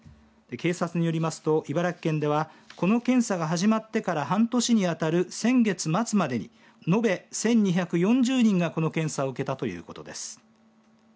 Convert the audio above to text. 警察よりますと茨城県ではこの検査が始まってから半年に当たる先月末までに延べ１２４０人がこの検査受けたということです。